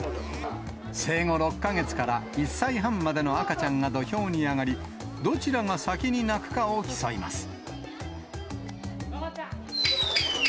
生後６か月から１歳半までの赤ちゃんが土俵に上がり、どちらが先に泣くかを競います。